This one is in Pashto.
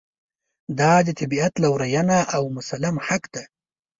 دا د طبعیت لورېینه او مسلم حق دی.